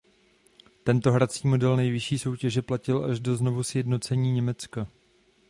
Tento hrací model nejvyšší soutěže platil až do znovusjednocení Německa.